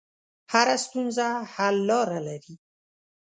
هره ستونزه حل لاره لري.